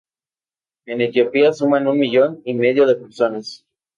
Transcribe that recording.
En Etiopía suman un millón y medio de personas.